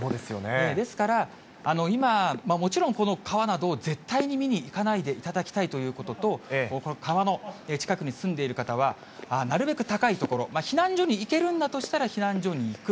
ですから、今、もちろん、この川などを絶対に見に行かないでいただきたいということと、川の近くに住んでいる方は、なるべく高い所、避難所に行けるんだとしたら避難所に行く。